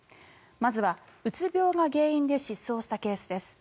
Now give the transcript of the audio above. まずは、うつ病が原因で失踪したケースです。